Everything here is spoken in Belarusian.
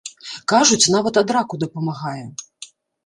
Кажуць, нават ад раку дапамагае.